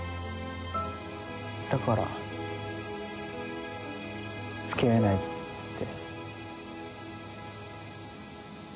だから付き合えないって？